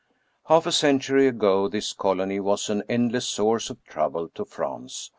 Half a century ago this colony was an endless source of trouble to France.